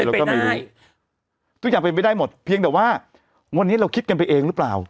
เราก็ไม่รู้ทุกอย่างเป็นไปได้หมดเพียงแต่ว่าวันนี้เราคิดกันไปเองหรือเปล่า